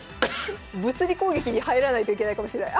物理攻撃に入らないといけないかもしれない。